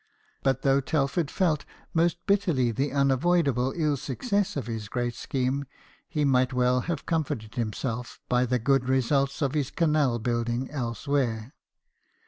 But though Telford felt most bitterly the unavoidable ill success of this great scheme, he might well have comforted himself by the good results of his canal building elsewhere.